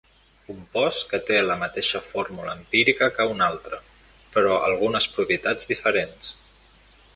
Compost que té la mateixa fórmula empírica que un altre, però algunes propietats diferents.